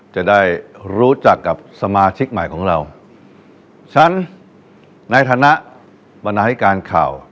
จะได้รู้จักกับสมาชิกใหม่ของเราฉันในฐานะบรรณาธิการข่าว